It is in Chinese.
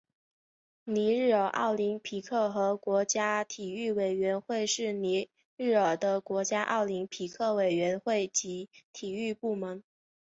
尼日尔奥林匹克和国家体育委员会是尼日尔的国家奥林匹克委员会及体育部门。